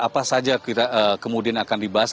apa saja kemudian akan dibahas